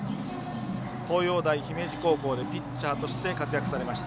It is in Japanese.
東洋大姫路高校でピッチャーとして活躍されました